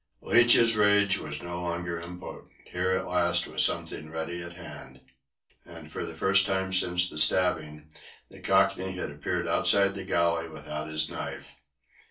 Leach's rage was no longer impotent. Here at last was something ready to hand. And for the first time since the stabbing the Cockney had appeared outside the galley without his knife.